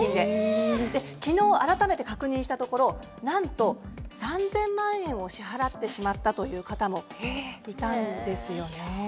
昨日、改めて確認したところなんと３０００万円を支払ってしまったという方もいたんですよね。